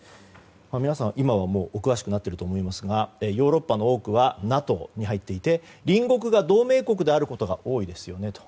皆さん、今はもうお詳しくなっていると思いますがヨーロッパの多くはＮＡＴＯに入っていて隣国が同盟国であることが多いですよねと。